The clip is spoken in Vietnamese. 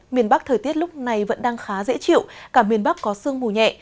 miền bắc thời tiết lúc này vẫn đang khá dễ chịu cả miền bắc có sương mù nhẹ